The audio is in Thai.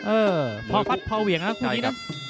เออพอพัดพอเหวี่ยงนะคุณนี้นั้น